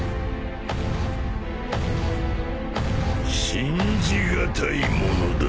信じ難いものだ！